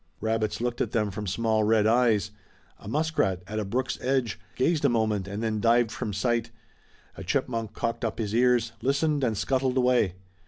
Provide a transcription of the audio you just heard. Rabbits looked at them from small red eyes. A muskrat, at a brook's edge, gazed a moment and then dived from sight. A chipmunk cocked up his ears, listened and scuttled away.